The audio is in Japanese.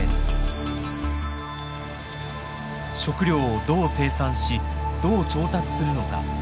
食料をどう生産しどう調達するのか。